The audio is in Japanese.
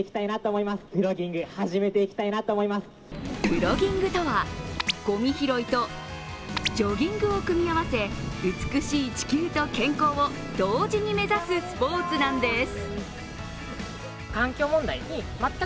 プロギングとは、ごみ拾いとジョギングを組み合わせ、美しい地球と健康を同時に目指すスポーツなんです。